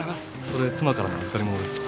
それ妻からの預かり物です。